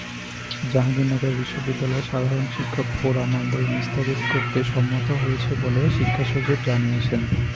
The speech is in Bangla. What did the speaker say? জাহাঙ্গীরনগর বিশ্ববিদ্যালয়ে সাধারণ শিক্ষক ফোরাম আন্দোলন স্থগিত করতে সম্মত হয়েছে বলে শিক্ষাসচিব জানিয়েছেন।